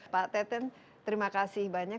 pak teten terima kasih banyak